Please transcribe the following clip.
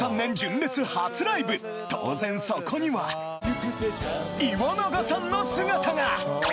当然そこには岩永さんの姿が！